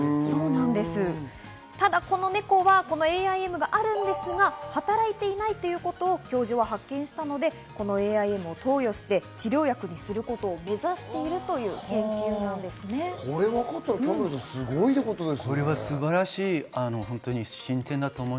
ただ、このネコはＡＩＭがあるんですが、働いていないということを教授は発見したのでＡＩＭを投与して、治療薬にすることを目指しているということです。